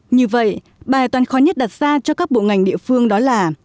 như vậy bài toán khó nhất đặt ra cho các bộ ngành địa phương đó là